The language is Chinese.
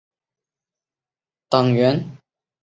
清党的重点是清除党内的中国共产党党员。